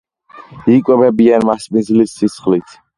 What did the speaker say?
იკვებებიან მასპინძლის სისხლით.